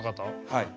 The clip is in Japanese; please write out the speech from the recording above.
はい。